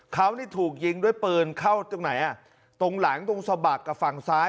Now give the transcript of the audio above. เขานี่ถูกยิงด้วยปืนเข้าตรงไหนอ่ะตรงหลังตรงสะบักกับฝั่งซ้าย